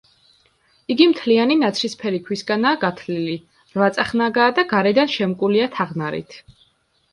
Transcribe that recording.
იგი მთლიანი ნაცრისფერი ქვისგანაა გათლილი, რვაწახნაგაა და გარედან შემკულია თაღნარით.